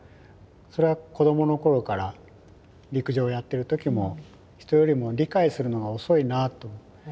それは子供の頃から陸上やってる時も人よりも理解するのが遅いなぁと。